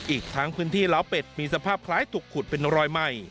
อีกทั้งพื้นที่ล้าวเป็ดมีสภาพคล้ายถูกขุดเป็นรอยใหม่